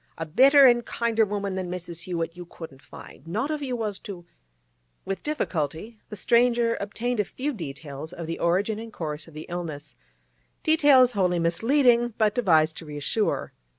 A better an' kinder woman than Mrs. Hewett you wouldn't find, not if you was to—' With difficulty the stranger obtained a few details of the origin and course of the illness—details wholly misleading, but devised to reassure.